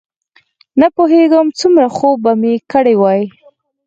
نه پوهېږم څومره خوب به مې کړی وي.